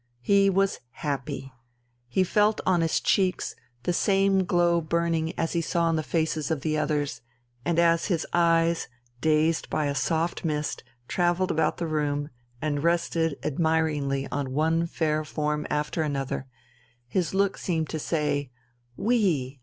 He was happy. He felt on his cheeks the same glow burning as he saw in the faces of the others, and as his eyes, dazed by a soft mist, travelled about the room, and rested admiringly on one fair form after another, his look seemed to say: "We!"